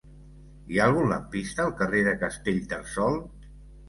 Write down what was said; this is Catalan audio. Hi ha algun lampista al carrer de Castellterçol?